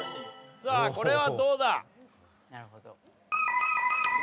さあこれどうだ？